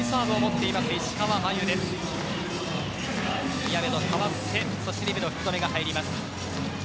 宮部と代わってリベロ福留が入ります。